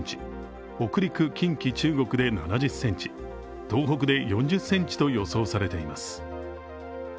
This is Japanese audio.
北陸・近畿・中国で７０ｃｍ東北で４０ｃｍと予想されています。